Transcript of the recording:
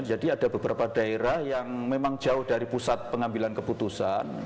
jadi ada beberapa daerah yang memang jauh dari pusat pengambilan keputusan